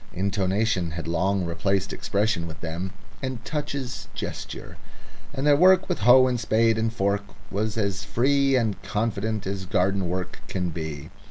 Intonation had long replaced expression with them, and touches gesture, and their work with hoe and spade and fork was as free and confident as garden work can be.